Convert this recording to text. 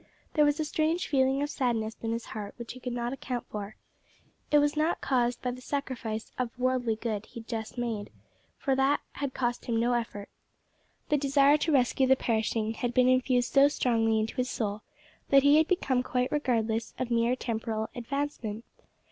There was a strange feeling of sadness in his heart which he could not account for. It was not caused by the sacrifice of worldly good he had just made, for that had cost him no effort. The desire to rescue the perishing had been infused so strongly into his soul that he had become quite regardless of mere temporal advancement.